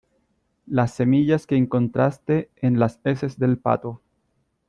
las semillas que encontraste en las heces del pato